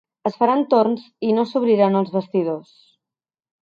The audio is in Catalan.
Es faran torns i no s’obriran els vestidors.